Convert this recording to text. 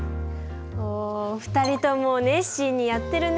お２人とも熱心にやってるね。